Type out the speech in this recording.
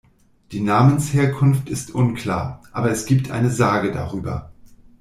Die Namensherkunft ist unklar, aber es gibt eine Sage darüber.